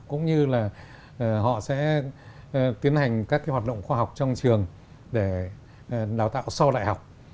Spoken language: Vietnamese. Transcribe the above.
cũng như là họ sẽ tiến hành các hoạt động khoa học trong trường để đào tạo sau đại học